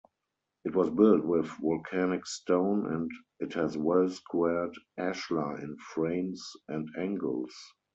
It was built with volcanic stone and it has well-squared ashlar in frames and angles.